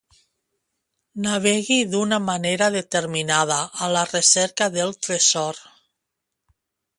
Navegui d'una manera determinada a la recerca del tresor.